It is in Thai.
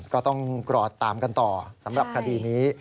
ก็ต้องกรอดตามกันต่อสำหรับคดีนี้